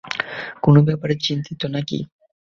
কোন ব্যাপারে চিন্তিত না কী?